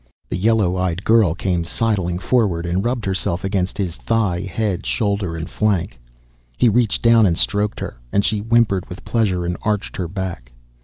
The yellow eyed girl came sidling forward and rubbed herself against his thigh, head, shoulder and flank. He reached down and stroked her, and she whimpered with pleasure and arched her back.